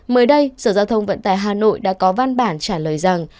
mới đây sở giao thông vận tải hà nội đã có văn bản trả lời rằng